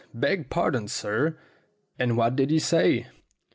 Beg pardon, sir, and what did he say?"